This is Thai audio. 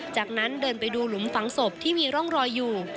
จากนั้นเดินไปดูหลุมฝังศพที่มีร่องรอยอยู่